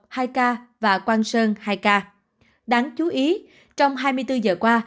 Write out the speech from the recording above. huyện quang sơn đáng chú ý trong hai mươi bốn giờ qua